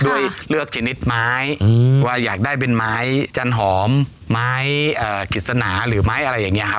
เลือกชนิดไม้ว่าอยากได้เป็นไม้จันหอมไม้กฤษณาหรือไม้อะไรอย่างนี้ครับ